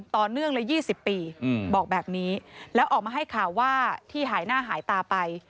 ต่อเนื่องเลย๒๐ปีบอกแบบนี้แล้วออกมาให้ข่าวว่าที่หายหน้าหายตาไป